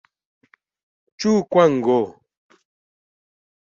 Nchu nkwavo.